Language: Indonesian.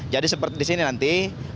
jadi seperti di sini nanti